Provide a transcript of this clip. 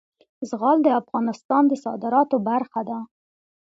زغال د افغانستان د صادراتو برخه ده.